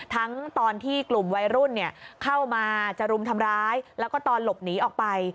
ทั้งตอนที่กลุ่มวัยรุ่นเข้ามาจะรุมทำร้ายแล้วก็ตอนหลบหนีออกไป